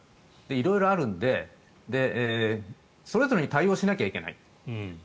色々あるんで、それぞれに対応しなきゃいけない。